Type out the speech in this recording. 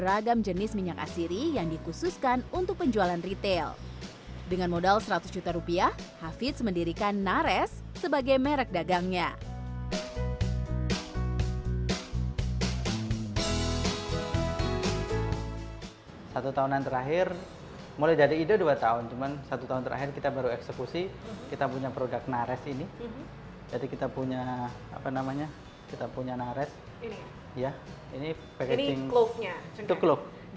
kalau suami saya itu untuk parfumnya itu dia pakai vanilla oil